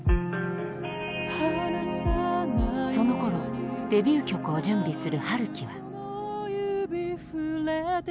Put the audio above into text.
そのころデビュー曲を準備する陽樹は「触れて知った」